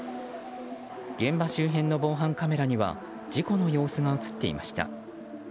現場周辺の防犯カメラには事故の様子が映っていました。